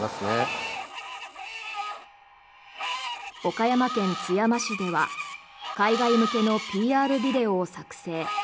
岡山県津山市では海外向けのＰＲビデオを作製。